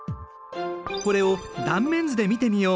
これを断面図で見てみよう。